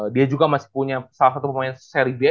dia juga masih punya salah satu pemain seri b